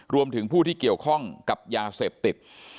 รวมถึงผู้ที่เกี่ยวข้องกับยาเสพติด